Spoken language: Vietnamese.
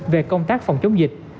về công tác phòng chống dịch